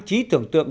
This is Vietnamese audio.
trí tưởng tượng